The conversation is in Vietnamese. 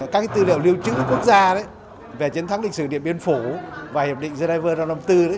các tư liệu lưu trữ quốc gia về chiến thắng lịch sử điện biên phủ và hiệp định geneva năm bốn